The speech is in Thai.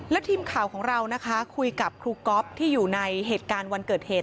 และทีมข่าวของเรานะคะคุยกับครูก๊อฟที่อยู่ในเหตุการณ์วันเกิดเหตุ